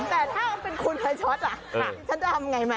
แต่ถ้าเป็นคุณไฟช็อตฉันจะทำอย่างไรมา